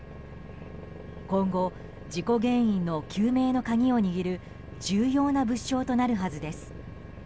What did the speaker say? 今後、事故原因の究明の鍵を握る重要な物証となるはずです。